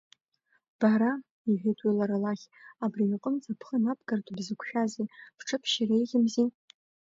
Бара, – иҳәеит уи лара лахь, абри иҟынӡа бхы набгартә бзықәшәазеи, бҽыбшьыр еиӷьымзи!